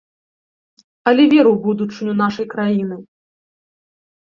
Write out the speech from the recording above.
Але веру ў будучыню нашай краіны.